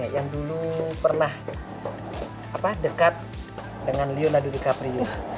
yang dulu pernah dekat dengan liona di caprio